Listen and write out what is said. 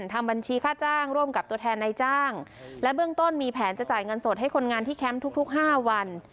ทำบัญชีค่าจ้างร่วมกับตัวแทนนายจ้างและเบื้องต้นมีแผนจะจ่ายเงินสดให้คนงานที่แคมป์ทุกทุกห้าวัน